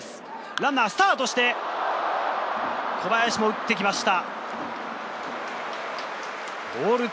ランナースタートして、小林も打ってきました。